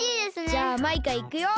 じゃあマイカいくよ。